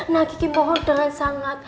nah kiki mohon dengan sangat